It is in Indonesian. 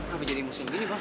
habis jadi musim gini bang